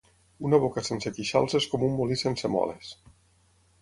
Una boca sense queixals és com un molí sense moles.